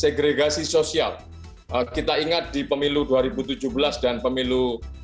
segregasi sosial kita ingat di pemilu dua ribu tujuh belas dan pemilu dua ribu sembilan belas